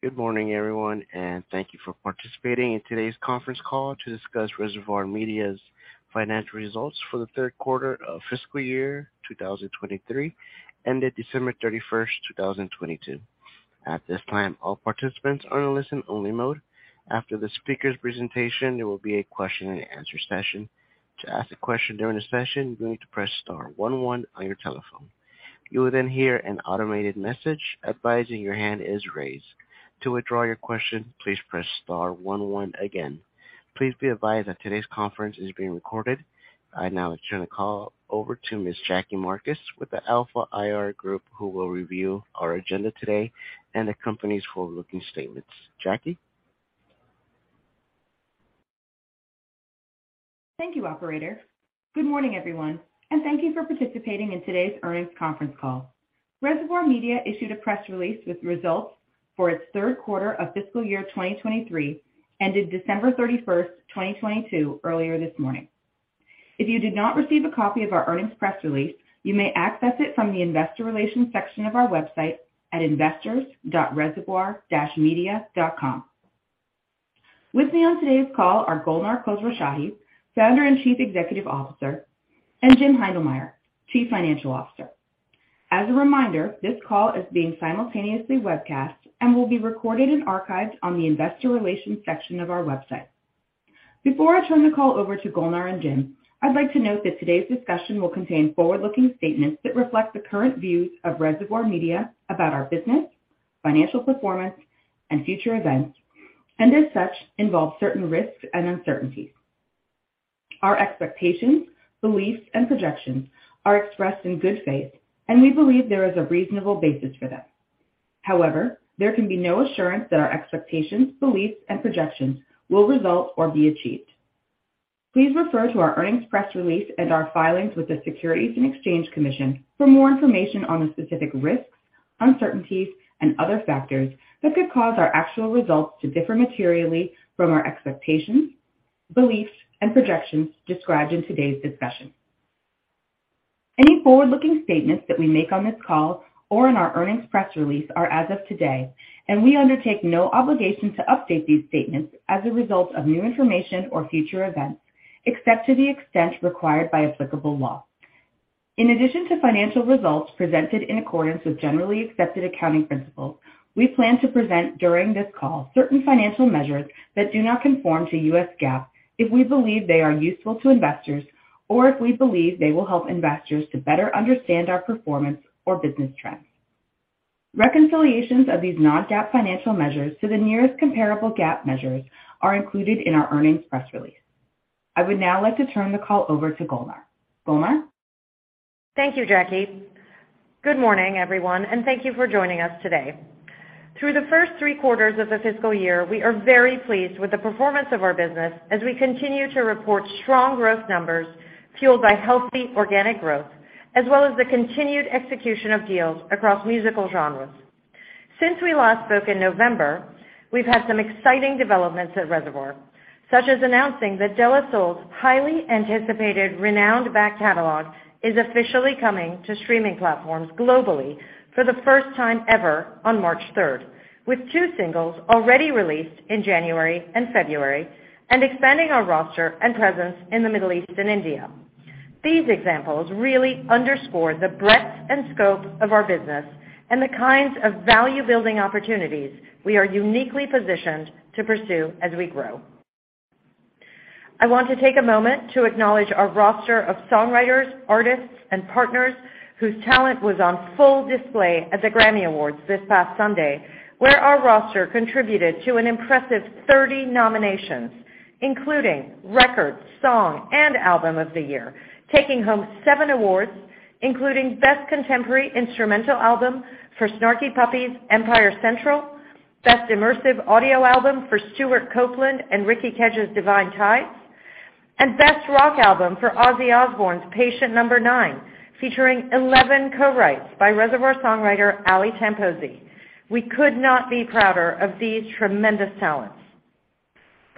Good morning everyone, and thank you for participating in today's conference call to discuss Reservoir Media's financial results for the third quarter of fiscal year 2023 ended December 31st, 2022. At this time, all participants are in listen only mode. After the speaker's presentation, there will be a question and answer session. To ask a question during the session, you need to press star one one on your telephone. You will then hear an automated message advising your hand is raised. To withdraw your question, please press star one one again. Please be advised that today's conference is being recorded. I now turn the call over to Ms. Jackie Marcus with the Alpha IR Group, who will review our agenda today and the company's forward-looking statements. Jackie. Thank you, operator. Good morning, everyone. Thank you for participating in today's earnings conference call. Reservoir Media issued a press release with results for its third quarter of fiscal year 2023 ended December 31st, 2022, earlier this morning. If you did not receive a copy of our earnings press release, you may access it from the investor relations section of our website at investors.reservoir-media.com. With me on today's call are Golnar Khosrowshahi, Founder and Chief Executive Officer, and Jim Heindlmeyer, Chief Financial Officer. As a reminder, this call is being simultaneously webcast and will be recorded and archived on the investor relations section of our website. Before I turn the call over to Golnar and Jim, I'd like to note that today's discussion will contain forward-looking statements that reflect the current views of Reservoir Media about our business, financial performance and future events, and as such involve certain risks and uncertainties. Our expectations, beliefs, and projections are expressed in good faith, and we believe there is a reasonable basis for them. However, there can be no assurance that our expectations, beliefs, and projections will result or be achieved. Please refer to our earnings press release and our filings with the Securities and Exchange Commission for more information on the specific risks, uncertainties and other factors that could cause our actual results to differ materially from our expectations, beliefs and projections described in today's discussion. Any forward-looking statements that we make on this call or in our earnings press release are as of today, and we undertake no obligation to update these statements as a result of new information or future events, except to the extent required by applicable law. In addition to financial results presented in accordance with generally accepted accounting principles, we plan to present during this call certain financial measures that do not conform to U.S. GAAP if we believe they are useful to investors or if we believe they will help investors to better understand our performance or business trends. Reconciliations of these non-GAAP financial measures to the nearest comparable GAAP measures are included in our earnings press release. I would now like to turn the call over to Golnar. Golnar. Thank you, Jackie. Good morning, everyone, and thank you for joining us today. Through the first three quarters of the fiscal year, we are very pleased with the performance of our business as we continue to report strong growth numbers fueled by healthy organic growth as well as the continued execution of deals across musical genres. Since we last spoke in November, we've had some exciting developments at Reservoir, such as announcing that De La Soul's highly anticipated renowned back catalog is officially coming to streaming platforms globally for the first time ever on March 3rd, with two singles already released in January and February, and expanding our roster and presence in the Middle East and India. These examples really underscore the breadth and scope of our business and the kinds of value-building opportunities we are uniquely positioned to pursue as we grow. I want to take a moment to acknowledge our roster of songwriters, artists and partners whose talent was on full display at the GRAMMY Awards this past Sunday, where our roster contributed to an impressive 30 nominations, including Record, Song, and Album of the Year, taking home seven awards, including Best Contemporary Instrumental Album for Snarky Puppy's Empire Central, Best Immersive Audio Album for Stewart Copeland and Ricky Kej's Divine Tides, and Best Rock Album for Ozzy Osbourne's Patient Number 9, featuring 11 co-writes by Reservoir songwriter Ali Tamposi. We could not be prouder of these tremendous talents.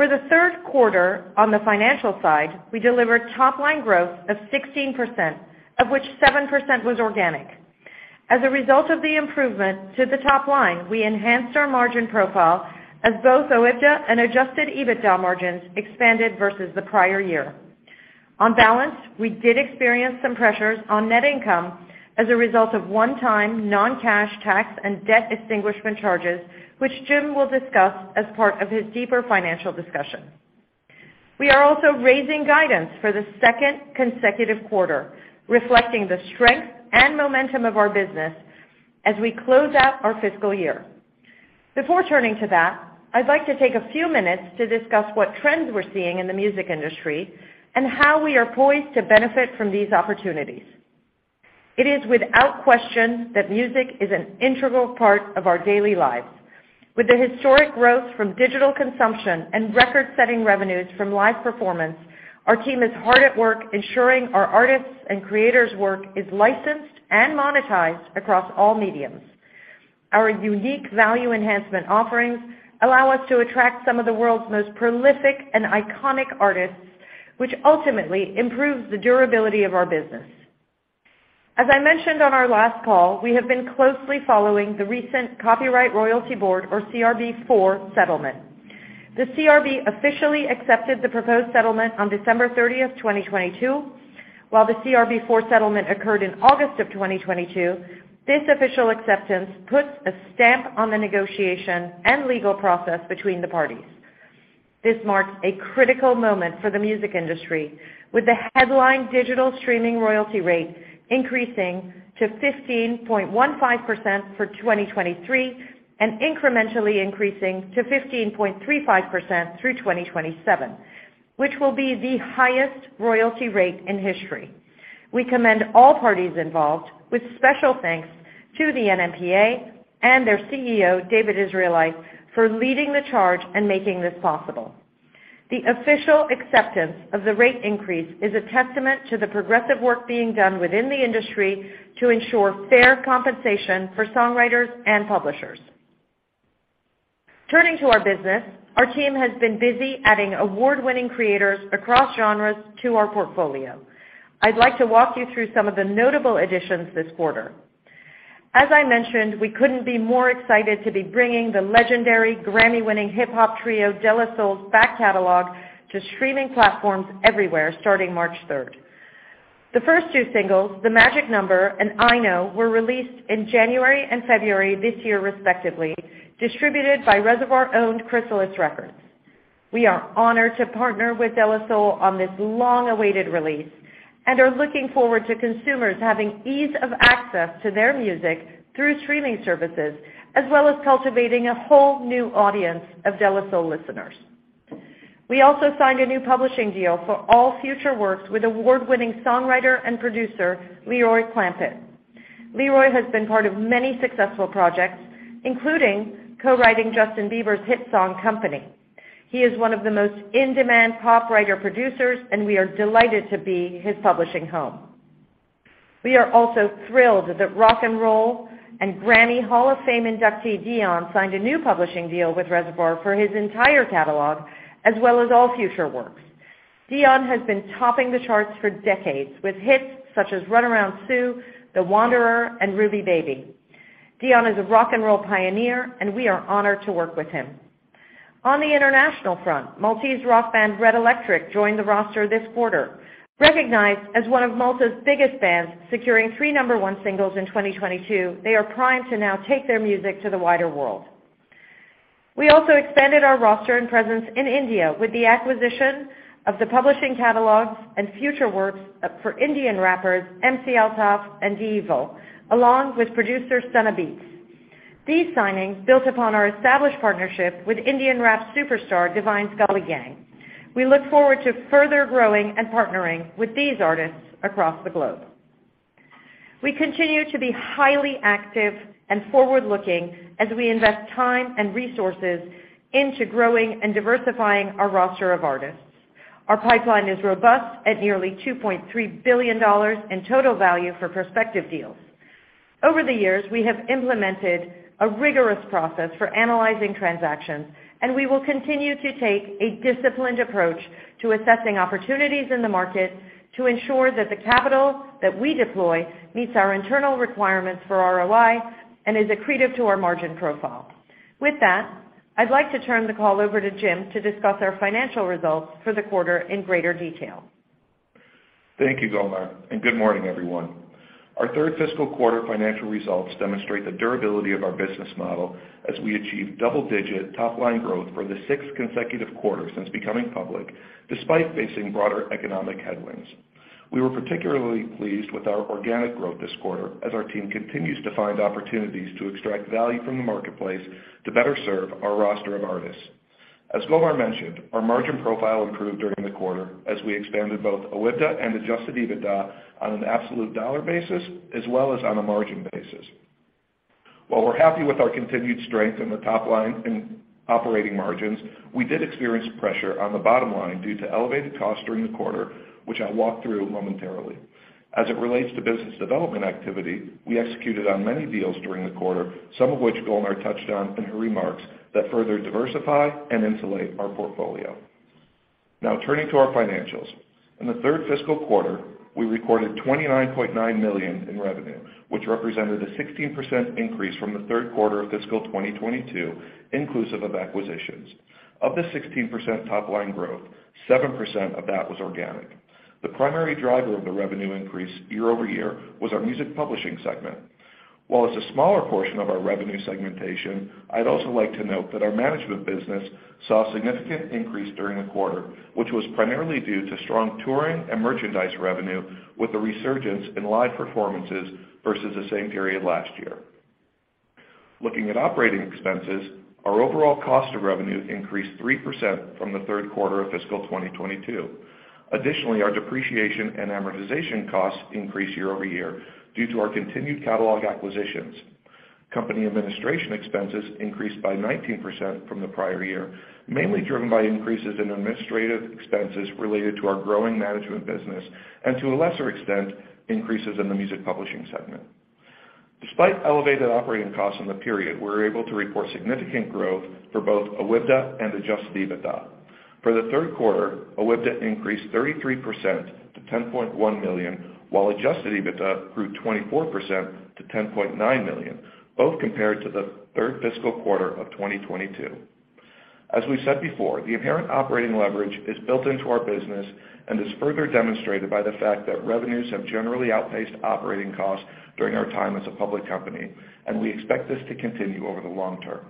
For the third quarter on the financial side, we delivered top line growth of 16%, of which 7% was organic. As a result of the improvement to the top line, we enhanced our margin profile as both OIBDA and Adjusted EBITDA margins expanded versus the prior year. On balance, we did experience some pressures on net income as a result of one-time non-cash tax and debt extinguishment charges, which Jim will discuss as part of his deeper financial discussion. We are also raising guidance for the second consecutive quarter, reflecting the strength and momentum of our business as we close out our fiscal year. Before turning to that, I'd like to take a few minutes to discuss what trends we're seeing in the music industry and how we are poised to benefit from these opportunities. It is without question that music is an integral part of our daily lives. With the historic growth from digital consumption and record-setting revenues from live performance, our team is hard at work ensuring our artists' and creators' work is licensed and monetized across all mediums. Our unique value enhancement offerings allow us to attract some of the world's most prolific and iconic artists, which ultimately improves the durability of our business. As I mentioned on our last call, we have been closely following the recent Copyright Royalty Board, or CRB4 settlement. The CRB officially accepted the proposed settlement on December 30th, 2022, while the CRB4 settlement occurred in August of 2022. This official acceptance puts a stamp on the negotiation and legal process between the parties. This marks a critical moment for the music industry, with the headline digital streaming royalty rate increasing to 15.15% for 2023, and incrementally increasing to 15.35% through 2027, which will be the highest royalty rate in history. We commend all parties involved, with special thanks to the NMPA and their CEO, David Israelite, for leading the charge and making this possible. The official acceptance of the rate increase is a testament to the progressive work being done within the industry to ensure fair compensation for songwriters and publishers. Turning to our business, our team has been busy adding award-winning creators across genres to our portfolio. I'd like to walk you through some of the notable additions this quarter. As I mentioned, we couldn't be more excited to be bringing the legendary GRAMMY-winning hip-hop trio De La Soul's back catalog to streaming platforms everywhere, starting March 3rd. The first two singles, The Magic Number and I Know, were released in January and February this year, respectively, distributed by Reservoir-owned Chrysalis Records. We are honored to partner with De La Soul on this long-awaited release and are looking forward to consumers having ease of access to their music through streaming services, as well as cultivating a whole new audience of De La Soul listeners. We also signed a new publishing deal for all future works with award-winning songwriter and producer Leroy Clampitt. Leroy has been part of many successful projects, including co-writing Justin Bieber's hit song Company. He is one of the most in-demand pop writer-producers, and we are delighted to be his publishing home. We are also thrilled that rock 'n' roll and Grammy Hall of Fame inductee Dion signed a new publishing deal with Reservoir for his entire catalog, as well as all future works. Dion has been topping the charts for decades with hits such as Runaround Sue, The Wanderer, and Ruby Baby. Dion is a rock 'n' roll pioneer. We are honored to work with him. On the international front, Maltese rock band Red Electric joined the roster this quarter. Recognized as one of Malta's biggest bands, securing three number one singles in 2022, they are primed to now take their music to the wider world. We also expanded our roster and presence in India with the acquisition of the publishing catalogs and future works for Indian rappers MC Altaf and D'Evil, along with producer Sena Beats. These signings built upon our established partnership with Indian rap superstar Divine's Gully Gang. We look forward to further growing and partnering with these artists across the globe. We continue to be highly active and forward-looking as we invest time and resources into growing and diversifying our roster of artists. Our pipeline is robust at nearly $2.3 billion in total value for prospective deals. Over the years, we have implemented a rigorous process for analyzing transactions, and we will continue to take a disciplined approach to assessing opportunities in the market to ensure that the capital that we deploy meets our internal requirements for ROI and is accretive to our margin profile. With that, I'd like to turn the call over to Jim to discuss our financial results for the quarter in greater detail. Thank you, Golnar, and good morning, everyone. Our third fiscal quarter financial results demonstrate the durability of our business model as we achieve double-digit top-line growth for the sixth consecutive quarter since becoming public, despite facing broader economic headwinds. We were particularly pleased with our organic growth this quarter as our team continues to find opportunities to extract value from the marketplace to better serve our roster of artists. As Golnar mentioned, our margin profile improved during the quarter as we expanded both OIBDA and Adjusted EBITDA on an absolute dollar basis as well as on a margin basis. While we're happy with our continued strength in the top line and operating margins, we did experience pressure on the bottom line due to elevated costs during the quarter, which I'll walk through momentarily. As it relates to business development activity, we executed on many deals during the quarter, some of which Golnar touched on in her remarks, that further diversify and insulate our portfolio. Turning to our financials. In the third fiscal quarter, we recorded $29.9 million in revenue, which represented a 16% increase from the third quarter of fiscal 2022, inclusive of acquisitions. Of the 16% top-line growth, 7% of that was organic. The primary driver of the revenue increase year-over-year was our Music Publishing segment. While it's a smaller portion of our revenue segmentation, I'd also like to note that our management business saw a significant increase during the quarter, which was primarily due to strong touring and merchandise revenue with a resurgence in live performances versus the same period last year. Looking at operating expenses, our overall cost of revenue increased 3% from the third quarter of fiscal 2022. Additionally, our depreciation and amortization costs increased year-over-year due to our continued catalog acquisitions. Company administration expenses increased by 19% from the prior year, mainly driven by increases in administrative expenses related to our growing management business and, to a lesser extent, increases in the Music Publishing segment. Despite elevated operating costs in the period, we were able to report significant growth for both OIBDA and Adjusted EBITDA. For the third quarter, OIBDA increased 33% to $10.1 million, while Adjusted EBITDA grew 24% to $10.9 million, both compared to the third fiscal quarter of 2022. As we said before, the inherent operating leverage is built into our business and is further demonstrated by the fact that revenues have generally outpaced operating costs during our time as a public company. We expect this to continue over the long term.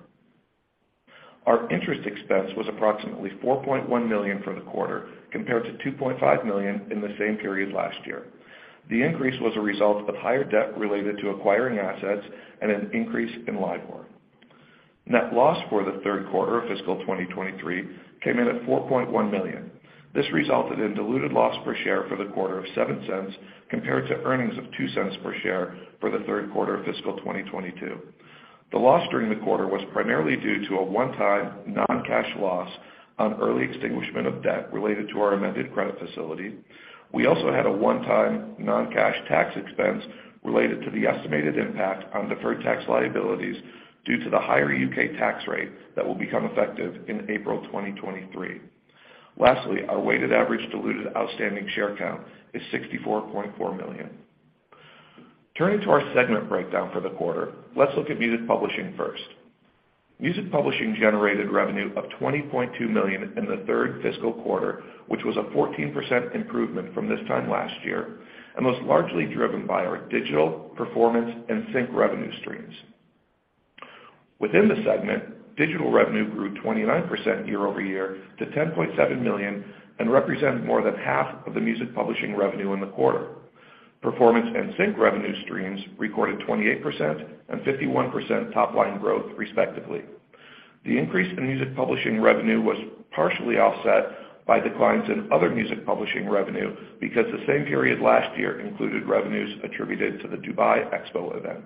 Our interest expense was approximately $4.1 million for the quarter, compared to $2.5 million in the same period last year. The increase was a result of higher debt related to acquiring assets and an increase in LIBOR. Net loss for the third quarter of fiscal 2023 came in at $4.1 million. This resulted in diluted loss per share for the quarter of $0.07, compared to earnings of $0.02 per share for the third quarter of fiscal 2022. The loss during the quarter was primarily due to a one-time non-cash loss on early extinguishment of debt related to our amended credit facility. We also had a one-time non-cash tax expense related to the estimated impact on deferred tax liabilities due to the higher U.K. tax rate that will become effective in April 2023. Lastly, our weighted average diluted outstanding share count is 64.4 million. Turning to our segment breakdown for the quarter, let's look at Music Publishing first. Music Publishing generated revenue of $20.2 million in the third fiscal quarter, which was a 14% improvement from this time last year and was largely driven by our digital, performance, and sync revenue streams. Within the segment, digital revenue grew 29% year-over-year to $10.7 million, and represent more than half of the Music Publishing revenue in the quarter. Performance and sync revenue streams recorded 28% and 51% top line growth, respectively. The increase in Music Publishing revenue was partially offset by declines in other Music Publishing revenue because the same period last year included revenues attributed to the Dubai Expo event.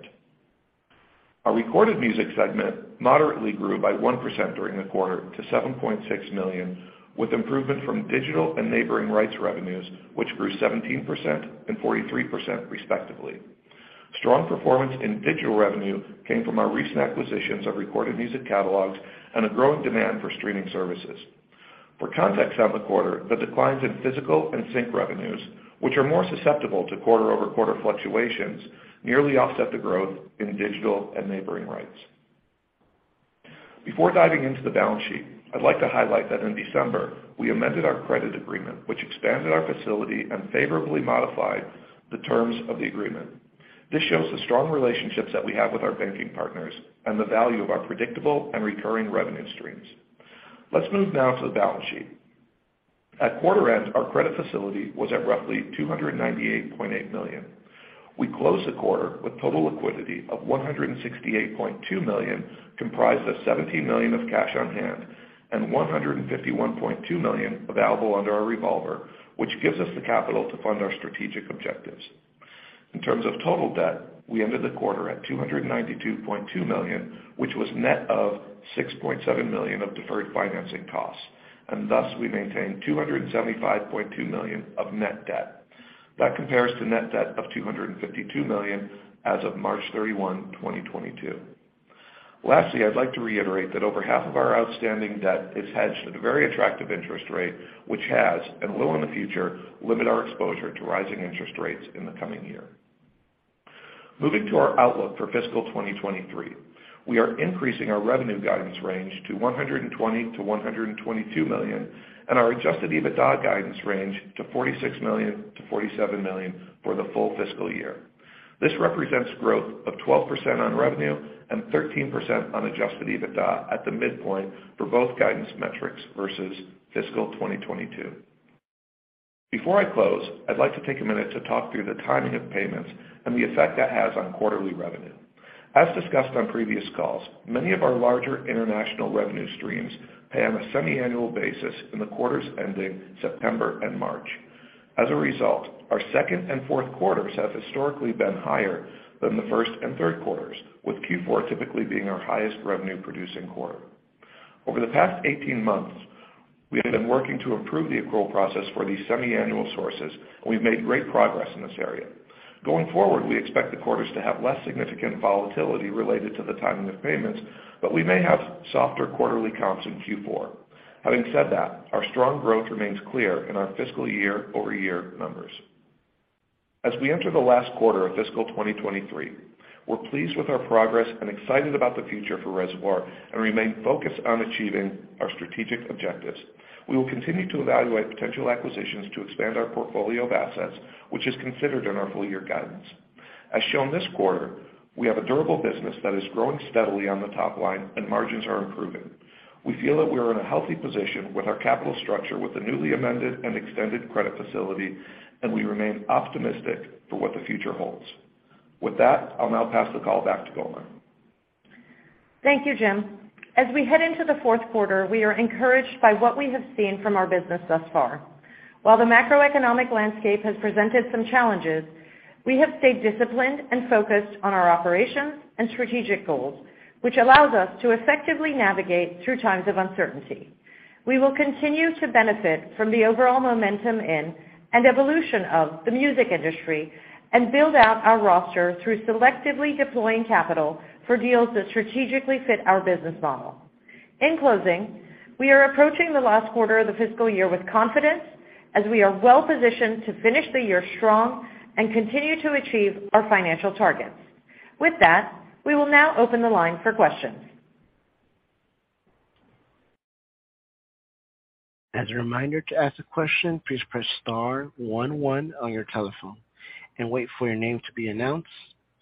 Our Recorded Music segment moderately grew by 1% during the quarter to $7.6 million, with improvement from digital and neighboring rights revenues, which grew 17% and 43%, respectively. Strong performance in digital revenue came from our recent acquisitions of Recorded Music catalogs and a growing demand for streaming services. For context on the quarter, the declines in physical and sync revenues, which are more susceptible to quarter-over-quarter fluctuations, nearly offset the growth in digital and neighboring rights. Before diving into the balance sheet, I'd like to highlight that in December, we amended our credit agreement, which expanded our facility and favorably modified the terms of the agreement. This shows the strong relationships that we have with our banking partners and the value of our predictable and recurring revenue streams. Let's move now to the balance sheet. At quarter end, our credit facility was at roughly $298.8 million. We closed the quarter with total liquidity of $168.2 million, comprised of $17 million of cash on hand and $151.2 million available under our revolver, which gives us the capital to fund our strategic objectives. In terms of total debt, we ended the quarter at $292.2 million, which was net of $6.7 million of deferred financing costs, and thus we maintained $275.2 million of net debt. That compares to net debt of $252 million as of March 31, 2022. Lastly, I'd like to reiterate that over half of our outstanding debt is hedged at a very attractive interest rate, which has, and will in the future, limit our exposure to rising interest rates in the coming year. Moving to our outlook for fiscal 2023, we are increasing our revenue guidance range to $120 million-$122 million, and our Adjusted EBITDA guidance range to $46 million-$47 million for the full fiscal year. This represents growth of 12% on revenue and 13% on Adjusted EBITDA at the midpoint for both guidance metrics versus fiscal 2022. Before I close, I'd like to take a minute to talk through the timing of payments and the effect that has on quarterly revenue. As discussed on previous calls, many of our larger international revenue streams pay on a semi-annual basis in the quarters ending September and March. As a result, our second and fourth quarters have historically been higher than the first and third quarters, with Q4 typically being our highest revenue producing quarter. Over the past 18 months, we have been working to improve the accrual process for these semi-annual sources. We've made great progress in this area. Going forward, we expect the quarters to have less significant volatility related to the timing of payments, but we may have softer quarterly comps in Q4. Having said that, our strong growth remains clear in our fiscal year-over-year numbers. As we enter the last quarter of fiscal 2023, we're pleased with our progress and excited about the future for Reservoir and remain focused on achieving our strategic objectives. We will continue to evaluate potential acquisitions to expand our portfolio of assets, which is considered in our full year guidance. As shown this quarter, we have a durable business that is growing steadily on the top line and margins are improving. We feel that we are in a healthy position with our capital structure with the newly amended and extended credit facility, and we remain optimistic for what the future holds. With that, I'll now pass the call back to Golnar. Thank you, Jim. As we head into the fourth quarter, we are encouraged by what we have seen from our business thus far. While the macroeconomic landscape has presented some challenges, we have stayed disciplined and focused on our operations and strategic goals, which allows us to effectively navigate through times of uncertainty. We will continue to benefit from the overall momentum in and evolution of the music industry and build out our roster through selectively deploying capital for deals that strategically fit our business model. In closing, we are approaching the last quarter of the fiscal year with confidence as we are well-positioned to finish the year strong and continue to achieve our financial targets. We will now open the line for questions. As a reminder, to ask a question, please press star one one on your telephone and wait for your name to be announced.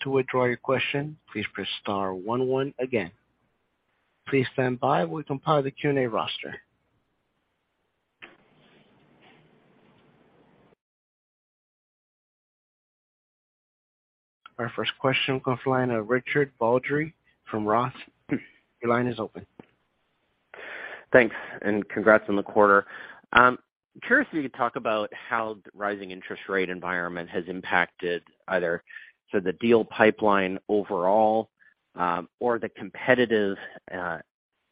To withdraw your question, please press star one one again. Please stand by while we compile the Q&A roster. Our first question comes from the line of Richard Baldry from Roth. Your line is open. Thanks, congrats on the quarter. Curious if you could talk about how the rising interest rate environment has impacted either sort of the deal pipeline overall, or the competitive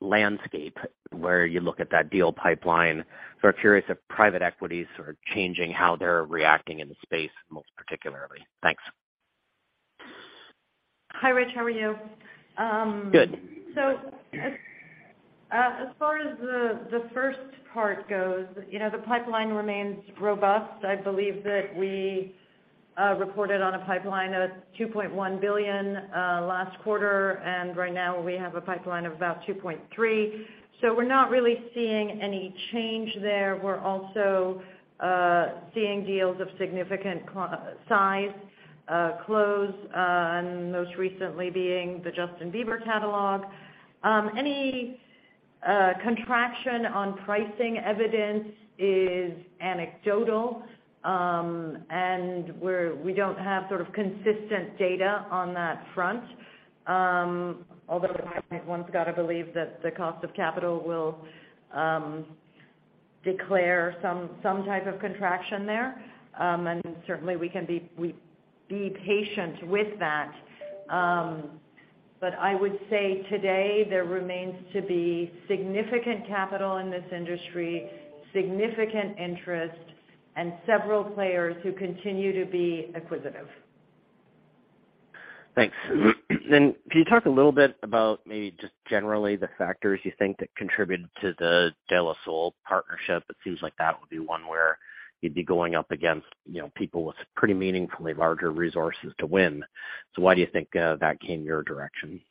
landscape where you look at that deal pipeline. Sort of curious if private equity is sort of changing how they're reacting in the space most particularly. Thanks? Hi, Rich. How are you? Good. As far as the first part goes, you know, the pipeline remains robust. I believe that we reported on a pipeline of $2.1 billion last quarter, and right now we have a pipeline of about $2.3 billion. We're not really seeing any change there. We're also seeing deals of significant size close, and most recently being the Justin Bieber catalog. Any contraction on pricing evidence is anecdotal, and we don't have sort of consistent data on that front. Although one's gotta believe that the cost of capital will declare some type of contraction there. And certainly we be patient with that. I would say today there remains to be significant capital in this industry, significant interest and several players who continue to be acquisitive. Thanks. Can you talk a little bit about maybe just generally the factors you think that contributed to the De La Soul partnership? It seems like that would be one where you'd be going up against, you know, people with pretty meaningfully larger resources to win. Why do you think that came your direction?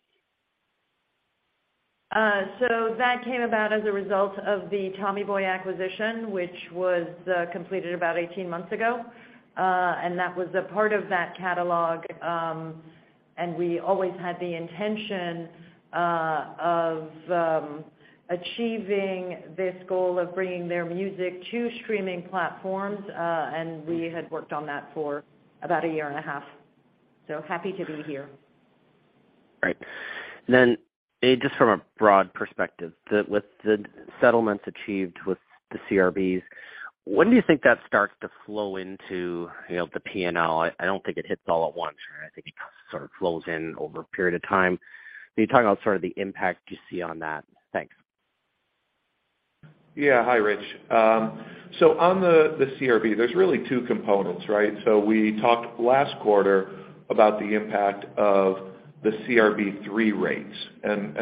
That came about as a result of the Tommy Boy acquisition, which was completed about 18 months ago. That was a part of that catalog, and we always had the intention of achieving this goal of bringing their music to streaming platforms, and we had worked on that for about a year and a half. Happy to be here. Right. Just from a broad perspective, with the settlements achieved with the CRBs, when do you think that starts to flow into, you know, the P&L? I don't think it hits all at once. I think it sort of flows in over a period of time. Can you talk about sort of the impact you see on that? Thanks. Yeah. Hi, Rich. On the CRB, there's really two components, right? We talked last quarter about the impact of the CRB3 rates.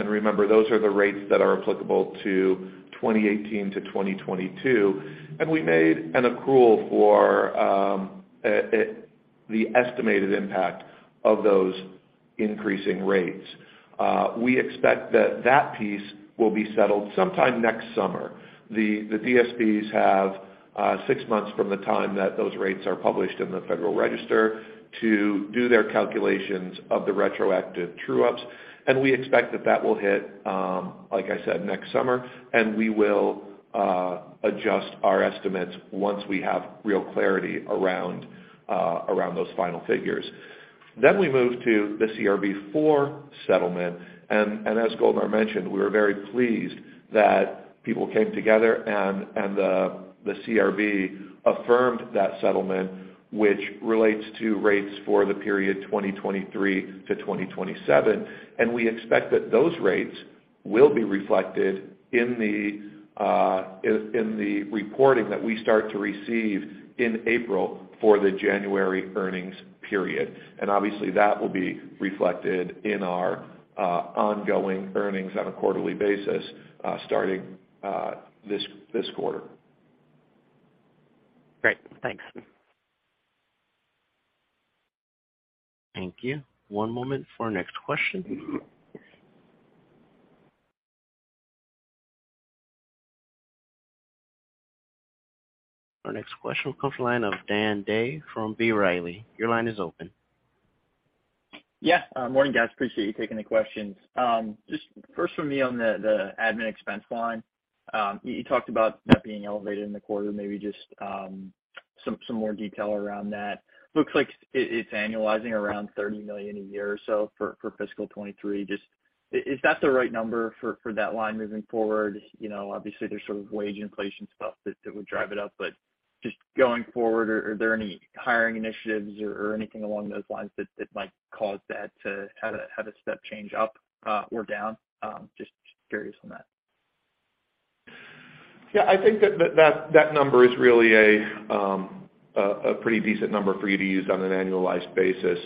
Remember, those are the rates that are applicable to 2018-2022. We made an accrual for the estimated impact of those increasing rates. We expect that that piece will be settled sometime next summer. The DSPs have six months from the time that those rates are published in the Federal Register to do their calculations of the retroactive true-ups, and we expect that that will hit, like I said, next summer, and we will adjust our estimates once we have real clarity around those final figures. We move to the CRB4 settlement. As Golnar mentioned, we were very pleased that people came together and the CRB affirmed that settlement, which relates to rates for the period 2023-2027. We expect that those rates will be reflected in the reporting that we start to receive in April for the January earnings period. Obviously, that will be reflected in our ongoing earnings on a quarterly basis, starting this quarter. Great. Thanks. Thank you. One moment for our next question. Our next question comes from the line of Dan Day from B. Riley. Your line is open. Yeah. Morning, guys. Appreciate you taking the questions. Just first from me on the admin expense line. You talked about that being elevated in the quarter, maybe just some more detail around that. Looks like it's annualizing around $30 million a year or so for fiscal 2023. Just is that the right number for that line moving forward? You know, obviously there's sort of wage inflation stuff that would drive it up, but just going forward, are there any hiring initiatives or anything along those lines that might cause that to have a step change up or down? Just curious on that. I think that number is really a pretty decent number for you to use on an annualized basis.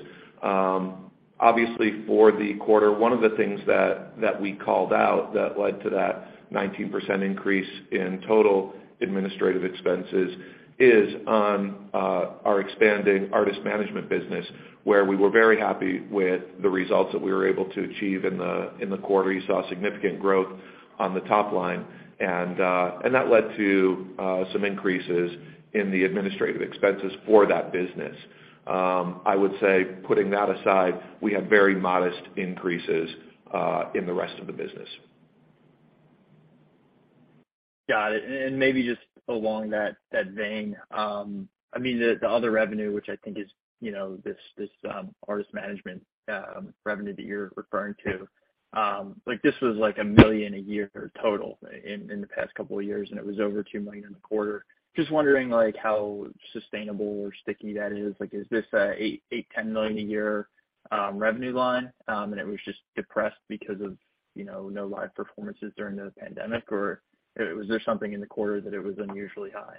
Obviously for the quarter, one of the things that we called out that led to that 19% increase in total administrative expenses is on our expanding artist management business, where we were very happy with the results that we were able to achieve in the quarter. You saw significant growth on the top line and that led to some increases in the administrative expenses for that business. I would say putting that aside, we have very modest increases in the rest of the business. Got it. Maybe just along that vein, I mean, the other revenue, which I think is, you know, this artist management revenue that you're referring to, like this was like $1 million a year total in the past couple of years, and it was over $2 million in the quarter. Just wondering like how sustainable or sticky that is. Like, is this a $8 million-$10 million a year revenue line, and it was just depressed because of, you know, no live performances during the pandemic? Or was there something in the quarter that it was unusually high?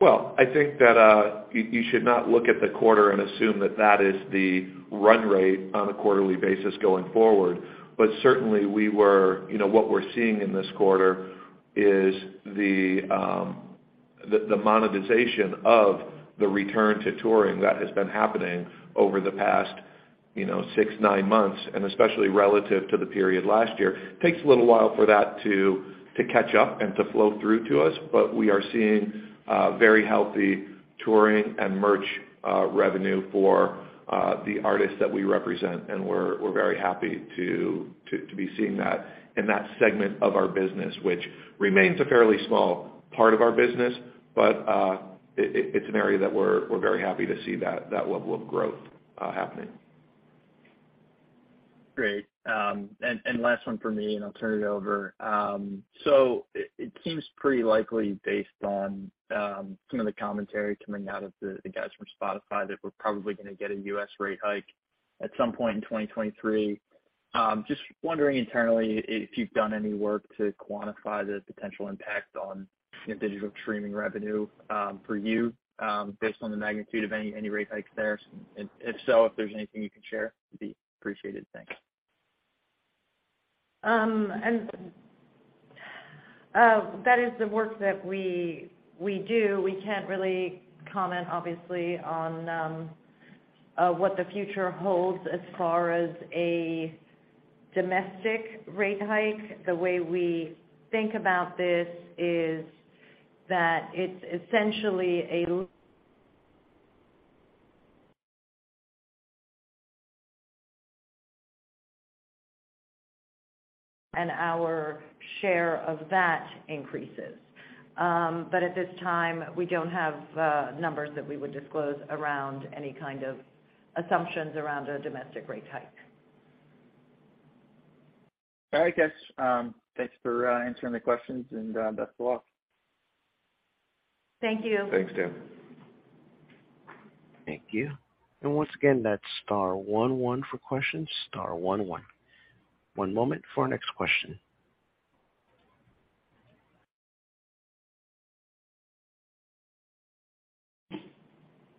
Well, I think that you should not look at the quarter and assume that that is the run rate on a quarterly basis going forward. Certainly, you know, what we're seeing in this quarter is the monetization of the return to touring that has been happening over the past, you know, six, nine months, and especially relative to the period last year. Takes a little while for that to catch up and to flow through to us. We are seeing very healthy touring and merch revenue for the artists that we represent, and we're very happy to be seeing that in that segment of our business, which remains a fairly small part of our business. It's an area that we're very happy to see that level of growth happening. Great. Last one for me, and I'll turn it over. It seems pretty likely based on some of the commentary coming out of the guys from Spotify that we're probably gonna get a U.S. rate hike at some point in 2023. Just wondering internally if you've done any work to quantify the potential impact on your digital streaming revenue for you based on the magnitude of any rate hikes there. If so, if there's anything you can share, it'd be appreciated. Thanks. That is the work that we do. We can't really comment, obviously, on what the future holds as far as a domestic rate hike. The way we think about this is that it's essentially a and our share of that increases. At this time, we don't have numbers that we would disclose around any kind of assumptions around a domestic rate hike. All right. That's thanks for answering the questions and best of luck. Thank you. Thanks, Dan. Thank you. Once again, that's star one one for questions, star one one. One moment for our next question.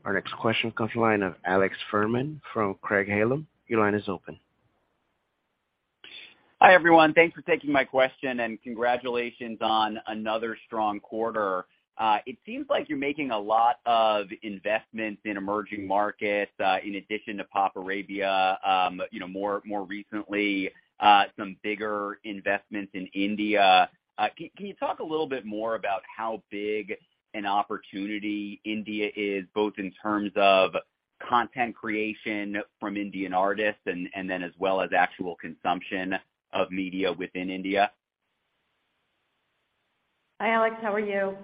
Our next question comes line of Alex Fuhrman from Craig-Hallum. Your line is open. Hi, everyone. Thanks for taking my question. Congratulations on another strong quarter. It seems like you're making a lot of investments in emerging markets, in addition to PopArabia, you know, more recently, some bigger investments in India. Can you talk a little bit more about how big an opportunity India is, both in terms of content creation from Indian artists and then as well as actual consumption of media within India? Hi, Alex, how are you?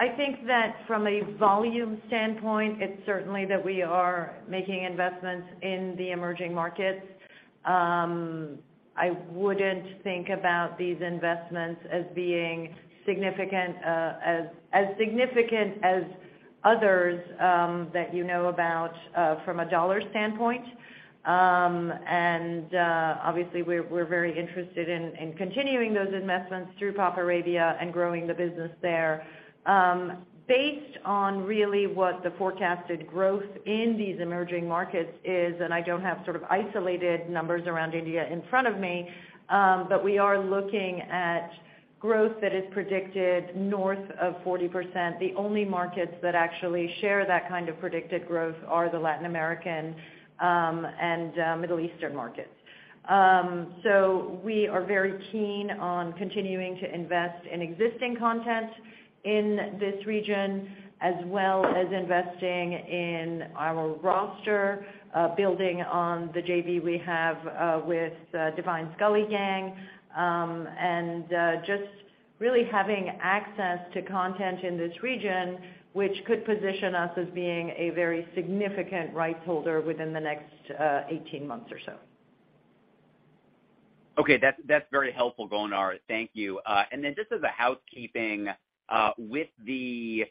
I think that from a volume standpoint, it's certainly that we are making investments in the emerging markets. I wouldn't think about these investments as being significant as others that you know about from a dollar standpoint. Obviously we're very interested in continuing those investments through PopArabia and growing the business there. Based on really what the forecasted growth in these emerging markets is, I don't have sort of isolated numbers around India in front of me, we are looking at growth that is predicted north of 40%. The only markets that actually share that kind of predicted growth are the Latin American and Middle Eastern markets. We are very keen on continuing to invest in existing content in this region, as well as investing in our roster, building on the JV we have with Divine's Gully Gang, just really having access to content in this region, which could position us as being a very significant rights holder within the next 18 months or so. Okay. That's, that's very helpful, Golnar. Thank you. Just as a housekeeping, with the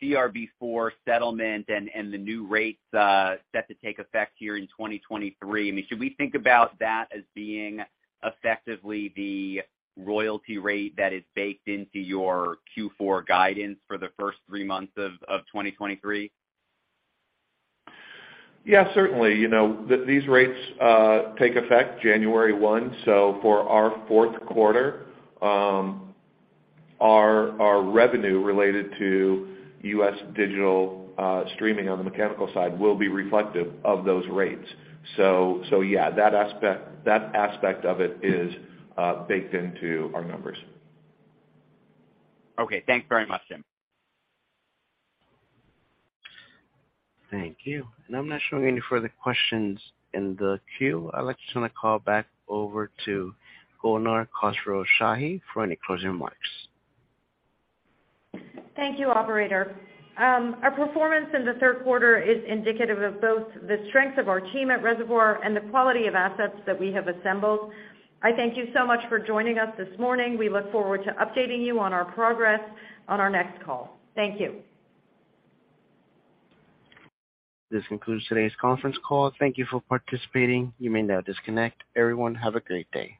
CRB4 settlement and the new rates set to take effect here in 2023, I mean, should we think about that as being effectively the royalty rate that is baked into your Q4 guidance for the first three months of 2023? Certainly. You know, these rates take effect January 1, so for our fourth quarter, our revenue related to U.S. digital, streaming on the mechanical side will be reflective of those rates. Yeah, that aspect of it is baked into our numbers. Okay. Thanks very much, Jim. Thank you. I'm not showing any further questions in the queue. I'd like to turn the call back over to Golnar Khosrowshahi for any closing remarks. Thank you, operator. Our performance in the third quarter is indicative of both the strength of our team at Reservoir and the quality of assets that we have assembled. I thank you so much for joining us this morning. We look forward to updating you on our progress on our next call. Thank you. This concludes today's conference call. Thank you for participating. You may now disconnect. Everyone, have a great day.